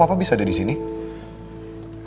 apalagi udah berjumpa